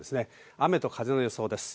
雨と風の予想です。